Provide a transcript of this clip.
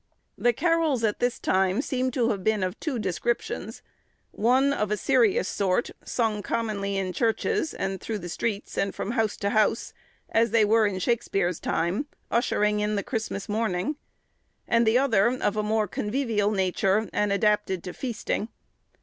The carols at this time seem to have been of two descriptions: one of a serious sort, sung commonly in churches, and through the streets, and from house to house, as they were in Shakespeare's time, ushering in the Christmas morning; and the other of a more convivial nature, and adapted to feasting.